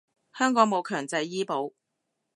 香港冇強制醫保